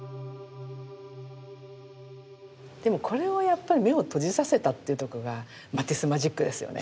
でもこれをやっぱり目を閉じさせたっていうとこがマティスマジックですよね。